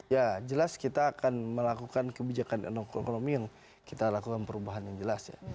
ya jelas kita akan melakukan kebijakan ekonomi yang kita lakukan perubahan yang jelas ya